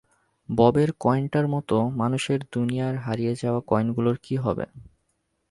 ববের কয়েনটার মতো মানুষের দুনিয়ায় হারিয়ে যাওয়া কয়েনগুলোর কী হবে?